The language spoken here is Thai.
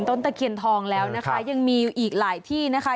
ตะเคียนทองแล้วนะคะยังมีอีกหลายที่นะคะ